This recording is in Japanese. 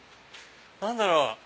何だろう？